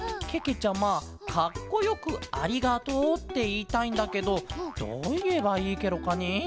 ちゃまかっこよく「ありがとう」っていいたいんだけどどういえばいいケロかねえ？